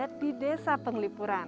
ketika penghubungan wisata penglipuran